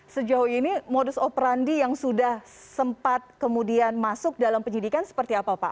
sejauh ini modus operandi yang sudah sempat kemudian masuk dalam penyidikan seperti apa pak